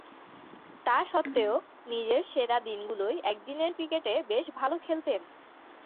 তাসত্ত্বেও, নিজের সেরা দিনগুলোয় একদিনের ক্রিকেটে বেশ ভালো খেলতেন।